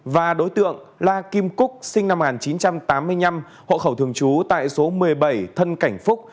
và đối tượng la kim cúc sinh năm một nghìn chín trăm tám mươi năm hộ khẩu thường trú tại số một mươi bảy thân cảnh phúc